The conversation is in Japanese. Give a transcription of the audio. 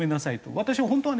私本当はね